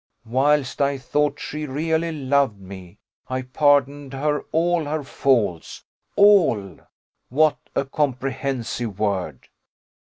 Whilst I thought she really loved me, I pardoned her all her faults all what a comprehensive word!